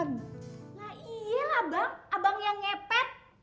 nah iya lah bang abang yang ngepet